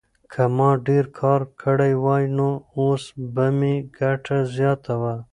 که ما ډېر کار کړی وای نو اوس به مې ګټه زیاته وه.